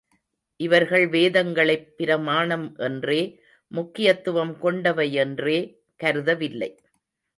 இவர்கள் வேதங்களைப் பிரமாணம் என்றே, முக்கியத்துவம் கொண்டவையென்றே கருதவில்லை.